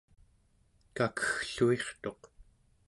kakeggluirtuq